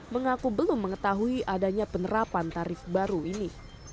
mengaku belum mengetahui adanya penerapan tarif baru ini